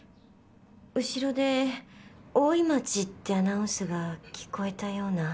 後ろで「大井町」ってアナウンスが聞こえたような。